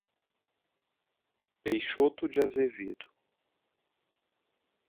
Peixoto de Azevedo